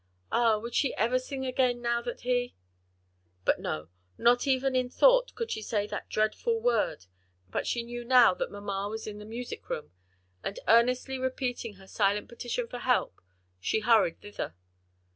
Ah would she ever sing again now that he " But no, not even in thought could she say that dreadful word; but she knew now that mamma was in the music room; and earnestly repeating her silent petition for help, she hurried thither.